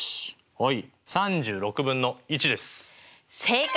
はい。